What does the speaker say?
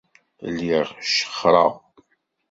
Lliɣ cexxreɣ.